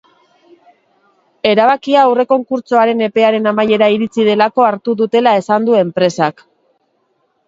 Erabakia aurrekonkurtsoaren epearen amaiera iritsi delako hartu dutela esan du enpresak.